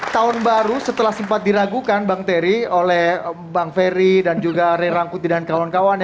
tahun baru setelah sempat diragukan bang terry oleh bang ferry dan juga ray rangkuti dan kawan kawan